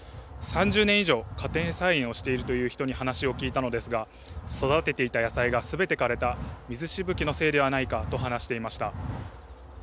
３０年以上、家庭菜園をしているという人に話を聞いたのですが、育てていた野菜がすべて枯れた、水しぶきのせいではないかと話していました。